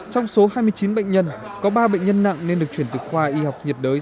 trong số hai mươi chín bệnh nhân có ba bệnh nhân nặng nên được chuyển từ khoa y học nhiệt đới